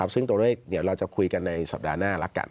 ซึ่งตัวเลขเดี๋ยวเราจะคุยกันในสัปดาห์หน้าแล้วกัน